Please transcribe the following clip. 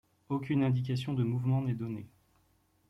Aucune indication de mouvement n'est donnée.